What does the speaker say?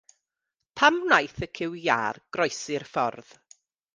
Pam wnaeth y cyw iâr groesi'r ffordd?